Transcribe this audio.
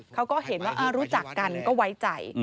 เขาก็เห็นว่ารู้จักกันก็ไว้ใจ